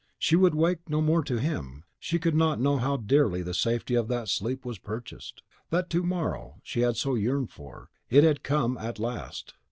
She would wake no more to him; she could not know how dearly the safety of that sleep was purchased. That morrow she had so yearned for, it had come at last.